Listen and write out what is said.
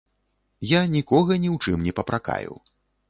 Я нікога ні ў чым не папракаю.